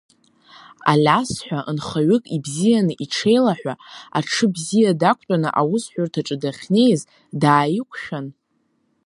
Алиас ҳәа нхаҩык ибзианы иҽеилаҳәа, аҽы бзиа дақәтәаны аусҳәарҭаҿы дахьнеиз дааиқәшәан…